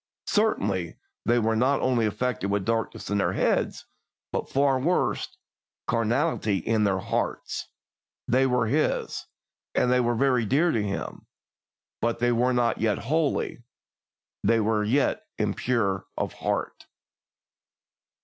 Certainly, they were not only afflicted with darkness in their heads, but, far worse, carnality in their hearts; they were His, and they were very dear to Him, but they were not yet holy, they were yet impure of heart.